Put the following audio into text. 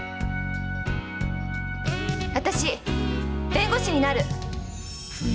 私弁護士になる！